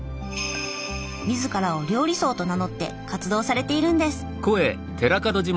自らを「料理僧」と名乗って活動されているんです。